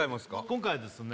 今回はですね